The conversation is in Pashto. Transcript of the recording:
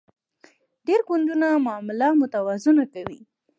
ډیر ګوندونه معامله متوازنه کوي